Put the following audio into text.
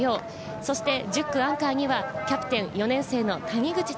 そして１０区アンカーにはキャプテン、４年生の谷口辰熙。